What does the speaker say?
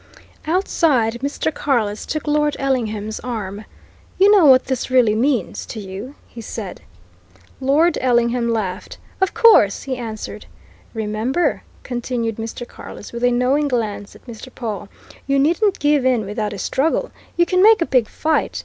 Outside, Mr. Carless took Lord Ellingham's arm. "You know what this really means to you?" he said. Lord Ellingham laughed. "Of course!" he answered. "Remember," continued Mr. Carless, with a knowing glance at Mr. Pawle, "you needn't give in without a struggle! You can make a big fight.